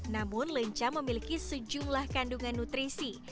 namun lenca memiliki sejumlah kandungan nutrisi